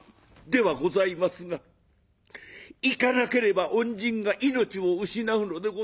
「ではございますが行かなければ恩人が命を失うのでございます。